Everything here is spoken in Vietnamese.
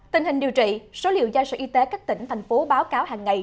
tình hình điều trị số liệu do sở y tế các tỉnh thành phố báo cáo hàng ngày